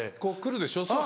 こう来るでしょ